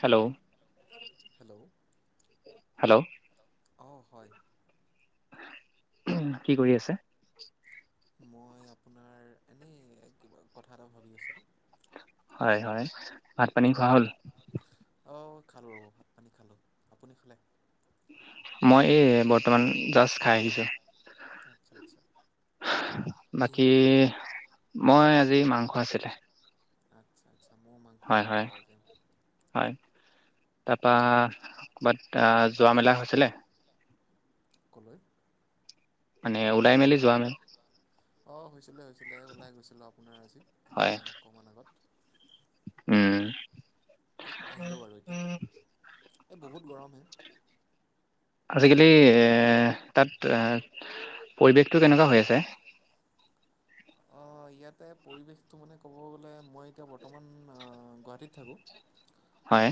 Hello. Hello hello. অহ হয়। উমহ, কি কৰি আছে? মই আপোনাৰ এনেই কিবা কথা এটা ভাবি আছিলোঁ। হয় হয় ভাত পানী খোৱা হ'ল? অ খালো, ভাত পানী খালো, আপুনি খালে মই এই বৰ্তমান জাষ্ট খাই আহিছোঁ। আচ্ছা আচ্ছা। বাকী কিহেৰে খালে মই আজি মাংস আছিলে। আচ্ছা। মও মাংসৰে হয় হয় খালোঁ আজি। তাপা ক'বাত আহ যোৱা মেলা হৈছিলে। কলৈ। মানে ওলাই মেলি যোৱামে অ হৈছিলে হৈছে। চিলে ওলাই গৈছিলোঁ আপোনাৰ আজি হয় অকমান আগত। উম। উম- আহিলোঁ বাৰু এতিয়া উম এই বহুত গৰম। হে আজিকালি এ তাত পৰিৱেশটো কেনেকুৱা হৈ আছে? অ ইয়াতে পৰিৱেশটো মানে ক'ব গ'লে মই এতিয়া বৰ্তমান গুৱাহাটীত থাকো। হয়।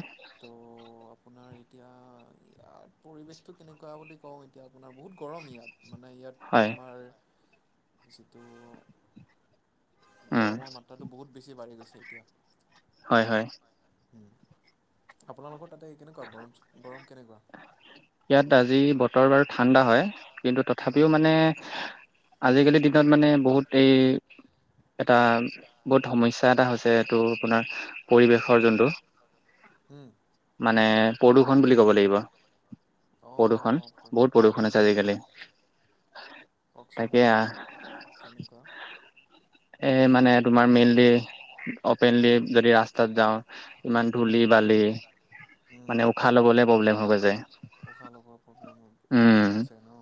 আপোনাৰ এতিয়া ইয়াত পৰিৱেশটো কেনেকুৱা বুলি কওঁ এতিয়া আপোনাৰ বহুত। গৰম ইয়াত মানে ইয়াত হয় আমাৰ। যিটো উম, গৰমৰ মাত্ৰাতো বহুত বেছি বাঢ়ি গৈছে। এতিয়া। হয়- হয়। আপোনালোকৰ? তাতে এই কেনেকুৱা গৰম- গৰম কেনেকুৱা। ইয়াত আজি বতৰ বাৰু ঠাণ্ডা হয়। কিন্তু উম। তথাপিও মানে। আজিকালিৰ দিনত মানে বহুত এই এটা বহুত সমস্যা এটা হৈছে এইটো আপোনাৰ পৰিৱেশৰ যোনটো। হম। মানে প্ৰদূৰণ বুলি ক'ব লাগিব। প্ৰদূষন অ', বহুত প্ৰদূৰষন হুম, আছে হুম। আজিকালি কওকচোন তাকে বাৰু এইটো কেনেকুৱা? এ মানে তোমাৰ মেইনলি অপেনলি। জদি ৰাস তাত যাওঁ ইমান ধূলি হুম। বালি উম। মানে উশাহ লবলে প্ৰব্লেম হৈ গৈ যায়। উশাহ লগোৱা প্ৰব্লেম অসুবিধা হৈছে ন,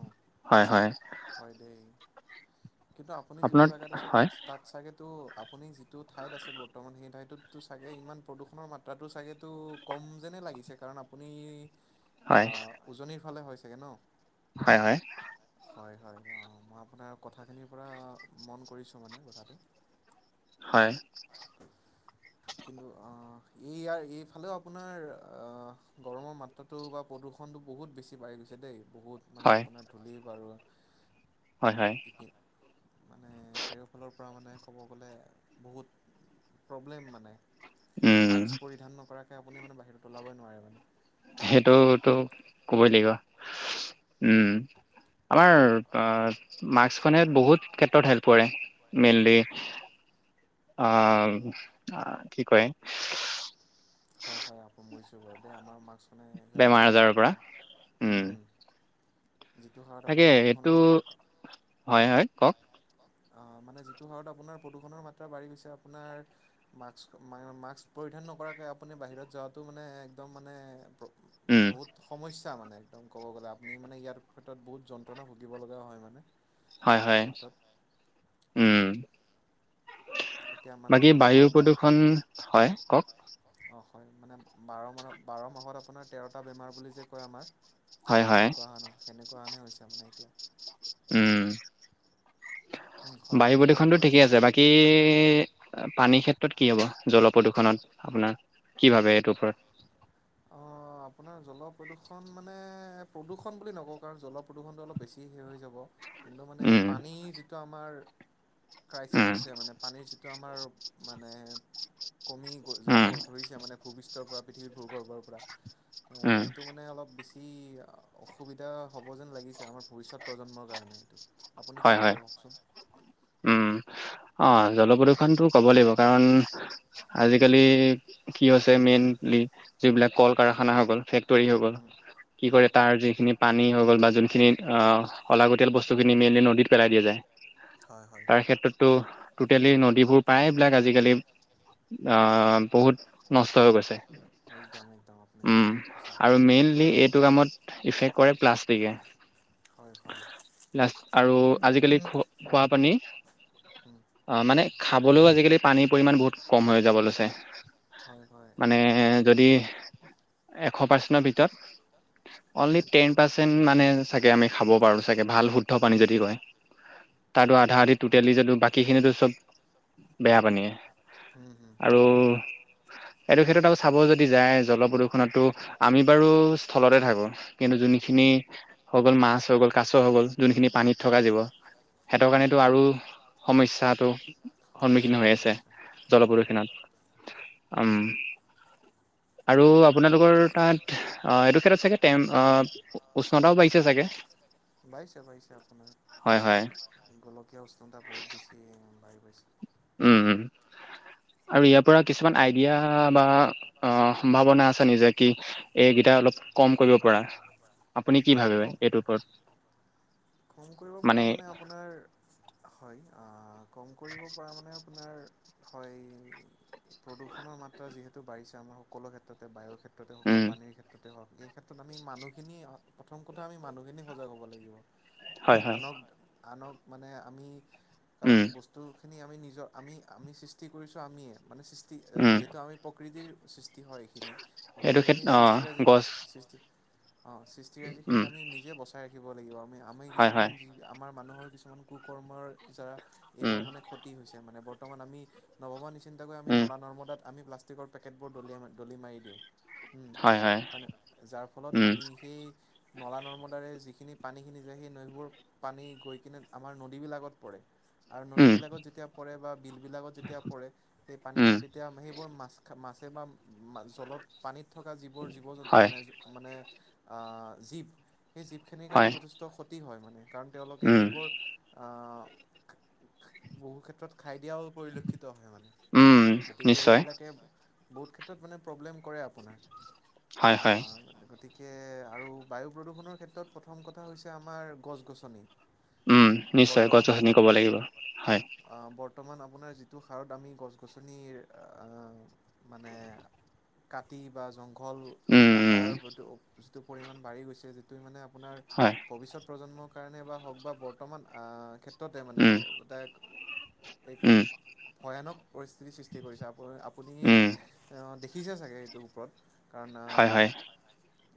হয় হয় হয় দেই। কিন্তু আপুনি যিটো আপোনাৰ জাগাত আছে হয় তাত- তাত চাগ তু আপ। আপুনি যিটো ঠাইত আছে বৰ্তমান সেই ঠাইটোত। চাগে ইমান প্ৰদূষণৰ মাত্ৰাটো চাগেতো কম যেনে লাগিছে কাৰণ আপুনি। হয় আহ উজনিৰ। ফালে হয় চাগে ন? হয়, হয়। হয়, হয়। অঁ, মই আপোনাৰ কথাখিনিৰ পৰা মন কৰিছোঁ মানে, কথাটো হয় কিন্তু আহ, এই ইয়াৰ এইফালেও আপোনাৰ অহ গৰমৰ মাত্ৰাটো বা প্ৰদূষণটো বহুত বেছি পাই গৈছে দেই। বহুত মানে হয় আপোনাৰ ধূলি বাৰু হয় হয় ইপিন মানে, চাৰিওফালৰ পৰা পৰা মানে ক'ব গ'লে বহুত প্ৰব্লেম মানে। উম মাস্ক পৰিধান নকৰাকে আপুনি মানে বাহিৰত ওলাবই নোৱাৰে মানে। সেইটোতো কবই লাগিব। উম, আমাৰ মাস্কখনে বহুত ক্ষেত্ৰত হেল্প কৰে, মেইনলি, আহ, কি কয়? হয়-হয় আপ [unintelligible] ছো বাৰু দেই আমাৰ মাক মাস্কখনে বেমাৰ হেল্প কৰে আজাৰৰ পৰা আপোনাৰ উম হুম-হুম। তাকে, এইটো মাত্ৰা হয়-হয় কওক? অহ, মানে যিটো হাৰত আপোনাৰ প্ৰদূষণৰ মাত্ৰা বাঢ়ি গৈছে, আপোনাৰ মাস্ক, মাস্ক পৰিধান নকৰাকে আপুনি বাহিৰত যোৱাটো মানে, একদম মানে, প্ৰ উম বহুত সমস্যা। মানে, একদম কব গ'লে আপুনি মানে ইয়াৰ ক্ষেত্ৰত বহুত যন্ত্ৰণা ভুগিব লগা হয় মানে। এই হয়-হয়, ক্ষেত্ৰত উম। এতিয়া মানে বাকী মানুহৰ বায়ু প্ৰদূৰ্ষণ হয়, কওক? অঁ হয়, মানে বাৰ মাহ বাৰ মাহত আপোনাৰ তেৰটা বেমাৰ বুলি যে, কয় আমাৰ। সেনেকুৱা হয় ন, সেনেকুৱা হেনে হৈছে মানে এতিয়া। উম হয় বায়ু আপুনি কিবা প্ৰদূষণতটো কৈ ঠিকে আছিলে আছে, বাকী পানী ক্ষেত্ৰত কি হ'ব, জলপ্ৰদূষণত আপোনাৰ? কি ভাবে এইটোৰ ওপৰত? অঁ আপোনাৰ জলপ্ৰদূষণ মানে, প্ৰদূষণ বুলি নকওঁ, কাৰণ, জলপ্ৰদূষণটো অলপ বেছি হে হৈ যাব। কিন্তু, মানে উম পানী তো আমাৰ ক্ৰাইচিছ উম হৈছে মানে। পানীৰ যিটো আমাৰ মানে কমি গৈ যাব উম ধৰিছে মানে স্তৰ পৰা পৃথিৱীৰ ভূ-গৰ্ভ ৰ পৰা। উম অহ, এইটো মানে অলপ বেছি অসুবিধা হ'ব যেন লাগিছে। আমাৰ ভৱিষ্যত প্ৰজন্মৰ কাৰণে এইটো। আপুনি কি ভাবে হয়-হয়, কওকচোন উম। অহ জলপ্ৰদূৰষণটো ক'ব লাগিব, কাৰণ আজিকালি কি হৈছে মেইনলি যিবিলাক কল কাৰখানাাসকল ফে ক্টৰী হৈ গল। উম কি উম কৰে তাৰ যিখিনি পানী হৈ গল বা যো খিনিত অলাগতিয়াল বস্তুখিনি মেলি নদীত পেলাই দিয়া যায়। হয় হয় তাৰ ক্ষেত্ৰতো টোটেলি নদীবোৰ প্ৰায়বিলাক আজিকালি আহ বহুত নষ্ট হৈ গৈছে। একদম একদম আপুনি উম একদম সঁচা কথা আৰু কৈছে মেইনলি আৰু এইটো কামত ইফেক্ট কৰে প্লাষ্টিকে। হয় হয় আৰু আজিকালি খোৱা, খোৱা পানী উম অ মানে খাবলৈও আজিকালি পানীৰ পৰিমাণ বহুত কম হৈ যাব লৈছে। হয় হয় মানে একদম যদি এশ পাৰ্চেন্তৰ ভিতৰত অনলি টেন পাৰ্চেন্ট মানে চাগে আমি খাব পাৰো চাগে শুদ্ধ পানী যদি কয় তাৰতো আধা আধি টোতেলি যদিও বাকীখিনোটো চব বেয়া পানীয়ে উম হুম আৰু হয় হয় এইটো ক্ষেত্ৰত আৰু চাব যদি যায় জলপ্ৰদূষণতো আমি বাৰু স্থলতে থাকোঁ, কিন্তু যোনখিনি উম হৈ গ'ল মাছ হৈ গ'ল, কাছ হৈ গ'ল যোনখিনি পানীত থকা জীৱ সিহঁতৰ উম কাৰণেতো আৰু সমস্যাটো সন্মুখীন সমস্যা হৈ আছে গৈছে হয় হয় জলপ্ৰদূষণত। উম। আৰু আপোনালোকৰ তাত অ এইটো ক্ষেত্ৰত চাগে টেন উষ্ণতাও বাঢ়ি বাঢ়িছে চাগে। [unintelligible] বাঢ়িছে বাঢ়িছে আপোনাৰ হয় হয় গোলকীয়া উষ্ণতা বহুত বেছি‌ বাঢ়ি বাঢ়ি উম আৰু ইয়াৰ পৰা কিছুমান আইডিয়া বা সম্ভাৱনা আছে নিজে কি এইকেইটা অলপ কম কৰিব পৰা। আপুনি কি ভাবে কম এইটোৰ ওপৰত? কম কৰিব পাৰা মানে আপোনাৰ হয় আ কম কৰিব পৰা মানে আপোনাৰ হয় প্ৰদূষণৰ মাত্ৰা যিহেতু বাঢ়িছে আমাৰ সকলো ক্ষেত্ৰতে বায়ুৰ ক্ষেত্ৰত ক্ষেত্ৰতে হওঁক বা উম পানীৰ ক্ষেত্ৰত এই ক্ষেত্ৰত আমি মানুহখিনি প্ৰথম কথা আমি মানুহখিনি সজাগ হ'ব লাগিব। হয় হয় আনক আনক মানে আমি কাৰণ উম বস্তু এইখিনি আমি নিজৰ আমি আমি সৃষ্টি কৰিছোঁ আমিয়ে মানে সৃষ্টি উম যিহেতু আমি প্ৰকৃতিৰ সৃষ্ট হয় এইখিনি। সেইটো গতিকে ক্ষেত্ৰ সেই অ সৃষ্টিৰাজি গছ সৃষ্টি অঁ, সৃষ্টিৰাজিখিনিক উম আমি নিজে বচাই থাকিব লাগিব আমি-আমি হয় কিছুমান হয় যি আমাৰ মানুহৰ কিছুমান কু কৰ্মৰ যাৰা উম এইবোৰ মানে ক্ষতি হৈছে। মানে বৰ্তমান আমি নৱমান ইচ চিন্তা কৰি আমি উম নলা নৰ্মদাত আমি প্লাষ্টিকৰ পেকেটবোৰ দলিয়া-দলি মাৰি দিওঁ। উম, হয় যাৰ ফলত উম আমি সেই নলা-নৰ্মদাৰে যিখি খিনি-পানীখিনি যে সিন সেইবোৰ পানী গৈ কিনে আমাৰ নদীবিলাকত পৰে। আৰু উম নদীবিলাকত যেতিয়া পৰে বা বিলবিলাকত যেতিয়া পৰে, সেই উম পানীবোৰ তেতিয়া সেইবোৰ মাছ-মাছ। [unintelligible] মা-জলত পানীত থকা যিবোৰ জীৱ-জন্তু, হয় মানে মানে। আ, জীপ। সেই জীৱখিনিৰ কাৰণে হয় যথেষ্ট কি হয় মানে! কাৰণ তেওঁলোকে উম সেইবোৰ। বহুক্ষেত্ৰত। ঠাই দিয়াও পৰিলক্ষিত হয় মানে, উম গতিকে নিশ্চয় সেইবিলাকে। বহুতক্ষেত্ৰত মানে প্ৰব্লেম কৰে, আপোনাৰ হয় হয়। কে আৰু বায়ু প্ৰদূষণৰ ক্ষেত্ৰত প্ৰথম কথা হৈছে। আমাৰ গছ-গছনি। উম নিশ্চয়। গছ-গছনি ক'ব লাগিব হয়। বৰ্তমান আপোনাৰ যিটো হাৰত আমি গছ-গছনিৰ, মানে কাটি বা জন্তু। ঘল উম উম কাটাৰ [unintelligible] টো। যিটো পৰিমাণ বাঢ়ি গৈছে যিটো মানে। আপোনাৰ হয়। ভৱিষ্যত প্ৰজন্মৰ কাৰণে বা হওক বা বৰ্তমান। ততে মানে উম [unintelligible] উম ভয়ানক পৰিস্থিতি সৃষ্টি কৰিছে। আপুনি। উম অ' দেখি। ছে চাগে সেইটো ওপৰত। কাৰণ হয় হয়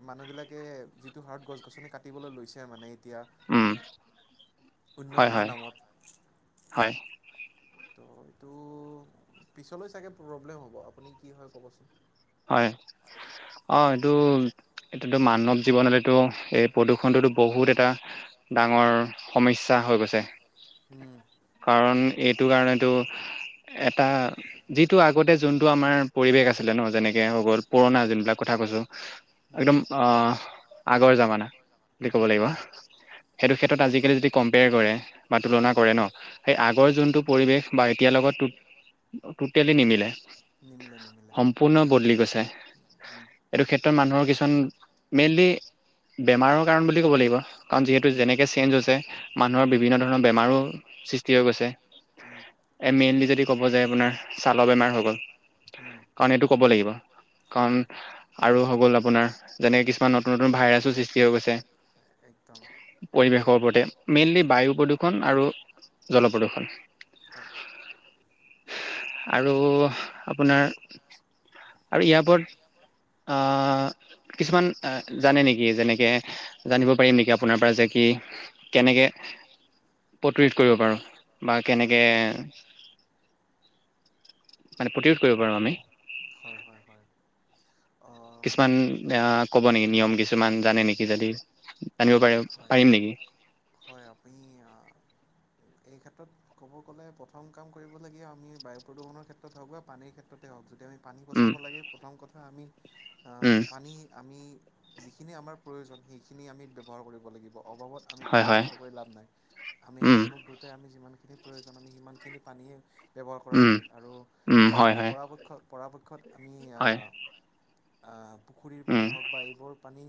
মানুহবিলাকে যিটো হাৰত গছ - গছনি কাটিবলৈ লৈছে এ মানে এতিয়া উম হয় উন্নয়নৰ হয় নামত। হয় ত এইটো পিছলৈ চাগে প্ৰবলেম হব, আপুনি কি হয় কবচোন? হয়, অ এইটো এইটোতো মানৱ জীৱনততো এই প্ৰদূৰষটোতো বহুত এটা ডাঙৰ সমস্যা হৈ গৈছে। উম, কাৰণ এইটো কাৰণেটো এটা যিটো আগতে যোনটো আমাৰ পৰিৱেশ আছিলে ন যেনে এ হৈ গ'ল পুৰণা যোন বিলাক কথা কৈছো। উম, একদম, আঁ আগৰ জামানা। বুলি ক'ব উম, লাগিব হয় সেইটো ক্ষেত্ৰত আজিকালি য'ত যদি কম্পেয়াৰ কৰে বা তুলনা উম, কৰে ন সেই আগৰ উম, যোনটো পৰিৱেশ বা এতিয়াৰ লগত তু টুটিয়েলি নিমিলে। নিমিলে নিমিলে। সম্পূৰ্ণ বদলি গৈছে। উম, এইটো ক্ষেত্ৰত মানুহৰ কিছন মেইনলি বেমাৰৰ কাৰণ বুলি ক'ব লাগিব। কাৰণ যিহেতু উম। যেনেকে চেঞ্জ হৈছে মানুহৰ হয়। বিভিন্ন ধৰণৰ বেমাৰো সৃষ্টি হৈ গৈছে। উম, এ মেইনলি য যদি ক'ব যে আপোনাৰ ছালৰ বেমাৰ হৈ গ'ল। উম। কাৰণ এইটো ক'ব লাগিব। হয়, কাৰণ হয়। আৰু হ'ব লাভ আপোনাৰ যেনেকে কিছুমান নতুন নতুন ভাইৰাছো সৃষ্টি হৈ গৈছে। একদম। পৰিৱেশৰ ওপৰতে, মেইনলি বায়ু প্ৰদূষণ আৰু জলপ্ৰদূষণ। হয়, আৰু আপোনাৰ আৰু ইয়াৰ ওপৰত কিছুমান জানে নেকি, যেনেকে জানিব পাৰিম নেকি আপোনাৰ পৰা যে, কি কেনেকে প্ৰতিৰোধ কৰিব পাৰোঁ বা কেনেকে মানে প্ৰতিৰোধ কৰিব পাৰোঁ আমি হয় হয় হয়। অ' কিছুমান মই আহ কব নেকি নিয়ম কিছুমান জানে নেকি যদি জানিব পাৰে হয়, হয়। আপুনি আ এইক্ষেত্ৰত ক'ব গ'লে প্ৰথম কাম কৰিবলগীয়া আমি বায়ু-প্ৰদূষণৰ ক্ষেত্ৰত হওঁক বা পানীৰ ক্ষেত্ৰতে হওঁক, যদি আমি পানী উম বচাব লাগে, প্ৰথম কথা আমি উম পানী আমি যিখিনি আমাৰ প্ৰয়োজন সেইখিন আমি ব্যৱহাৰ কৰিব লাগিব [unintelligible] অভাৱত আমি হয় পানী হয় নষ্ট কৰি লাভ নাই। আমি উম হাত মুখ ধুওঁতে আমি যিমান খিনি যিখিনি প্ৰয়োজন আমি সিমানখিনি পানীয়ে ব্যৱহাৰ কৰা উম উচিত আৰু উম হয় হয় পৰাপক্ষত পৰাপক্ষত আমি আ হয় আ পুখুৰীৰ পানী উম হওক বা এইবোৰ পানী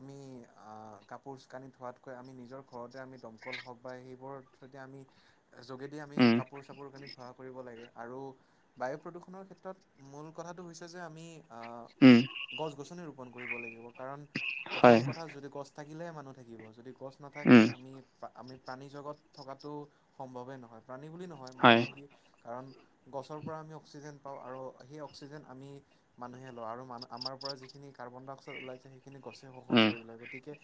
আমি আ কাপোৰ কানি ধোৱাতকৈ আমি নিজৰ ঘৰতে আমি দমকল হওক বা সেইবোৰৰ যদি আমি যোগেদি আমি উম কাপোৰ চাপোৰ কানি ধোঁৱা কৰিব লাগে আৰু বায়ু প্ৰদূষণৰ ক্ষেত্ৰত মূল কথাটো হৈছে যে আমি, উম গছ গছনি কৰিব লাগিব কাৰণ প্ৰথম হয়, কথা যদি গছ থাকিলেহে মানুহ থাকিব যদি গছ নাথাকে উম, আমি আমি প্ৰাণী জগত থকাটো সম্ভৱেই নহয় প্ৰাণী বুলি নহয় মানুহ হয়, থাকি কাৰণ গছৰ পৰা আমি অক্সিজেন পাওঁ, আৰু সেই অক্সিজেন আমি মানুহে লওঁ, আৰু মান আমাৰ পৰা যিখিনি কাৰ্বন ডাই অক্সাইড ওলাইছে সেইখিন সেইখিনি গছে শোষণ উম, কৰি লয়, গতিকে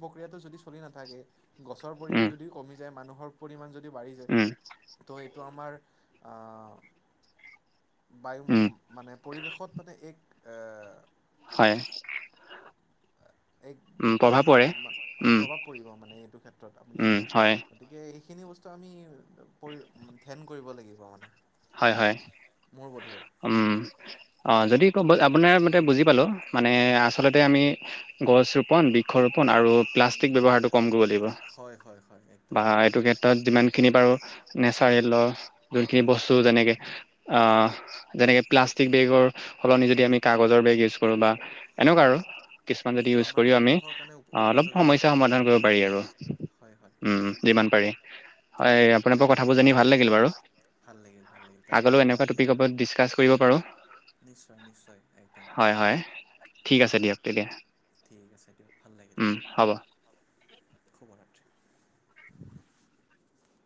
প্ৰক্ৰিয়াটো যদি চলি নাথাকে গছৰ উম, পৰিমাণ যদিও কমি যায় মানুহ পৰিমাণ যদি যদি বাঢ়ি যায় উম, ত টো আমাৰ বায়ু উম, মানে পৰিৱেশত মানে এক হয়, এক উম, প্ৰভাৱ বিপদ পৰে। উম, প্ৰভাৱ পৰিব মানে এইটো ক্ষেত্ৰত আপুনি উম, হয়, গতিকে সেইখিনি বস্তু আমি পৰি ধ্যেন কৰিব লাগিব মানে। হয় হয় মোৰ বোধেৰে উম অ যদি ক আপোনাৰ মতে বুজি পালো মানে আচলতে আমি গছ ৰোপন বৃক্ষ ৰোপন আৰু প্লাষ্টিক ব্যৱহাৰটো কম কৰিব হয় হয় হয় একদম বা' এইটো ক্ষেত্ৰত- যিমান খিনি বাৰু নেচাৰেলৰ- উম, দুইখিনি- যেনেকে আঁহ যেনেকে যিটো প্লাষ্টিক বেগৰ সলনি যদি কাগজৰ বেগ ইউজ কৰোঁ, বা হয় এনেকুৱা আৰু। কিছুমান যদি যিটো ইউজ আমাৰ কৰিও, আমি পৰিৱেশৰ কাৰণে উপ অলপ উপযোগী হয় সমস্যা সমাধান কৰিব পাৰি আৰু। হয় হয় উম যিমান পাৰি। হয়, আপোনাক- কথাবোৰ জানি ভাল লাগিল বাৰু। ভাল লাগিল ভাল লাগিল তাকে আগলৈ মোৰো এনেকুৱা আপোনাৰ টপিকৰ ওপৰত ডিছকাছ কৰিব পাৰো। নিশ্চয় নিশ্চয় একদম হয়-হয় ঠিক আছে দিয়ক। অষ্ট্ৰেলিয়া। ঠিক আছে দিয়ক। ভাল লাগিল। শুভ ৰাত্ৰি।